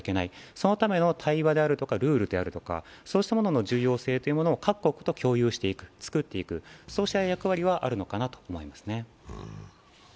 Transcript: そのための対話であるとかルールをそうしたものの重要性を各国と共有していく、作っていく、そうした役割はあるのかなと思いますね。